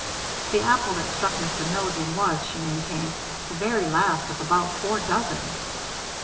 The apple that struck Mr. Milligan was, she maintained, the very last of about four dozen.